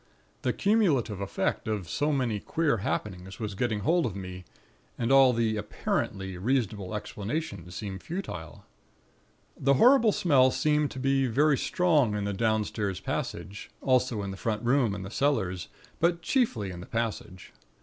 The cumulative effect of so many queer happenings was getting hold of me; and all the apparently reasonable explanations seemed futile. "The horrible smell seemed to be very strong in the downstairs passage; also in the front room and the cellars; but chiefly in the passage.